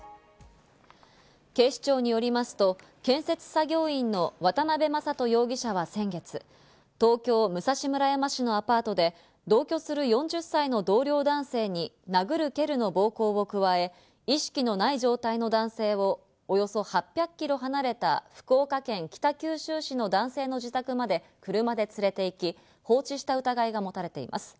警視庁によりますと建設作業員の渡辺正人容疑者は先月、東京・武蔵村山市のアパートで同居する４０歳の同僚男性に殴る蹴るの暴行を加え、意識のない状態の男性をおよそ８００キロ離れた福岡県北九州市の男性の自宅まで車で連れて行き放置した疑いが持たれています。